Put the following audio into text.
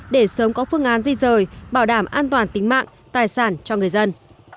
để sớm có phương án di rời bảo đảm an toàn tính mạng tài sản cho người dân